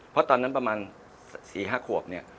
เพราะตอนนั้นประมาณสี่ห้าขวบ